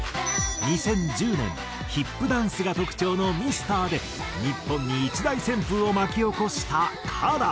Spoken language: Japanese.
２０１０年ヒップダンスが特徴の『ミスター』で日本に一大旋風を巻き起こしたＫＡＲＡ。